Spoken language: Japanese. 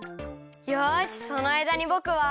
よしそのあいだにぼくは。